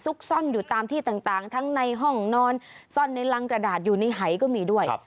ซ่อนอยู่ตามที่ต่างทั้งในห้องนอนซ่อนในรังกระดาษอยู่ในหายก็มีด้วย